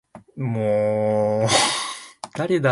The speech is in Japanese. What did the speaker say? だそい ｈｓｄｇ ほ；いせるぎ ｌｈｓｇ